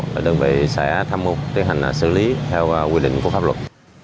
và đơn vị sẽ thăm mưu tiến hành xử lý theo quy định của pháp luật